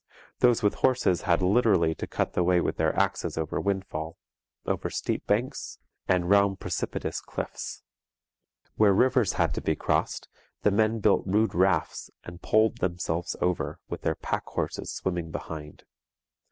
Those with horses had literally to cut the way with their axes over windfall, over steep banks, and round precipitous cliffs. Where rivers had to be crossed, the men built rude rafts and poled themselves over, with their pack horses swimming behind.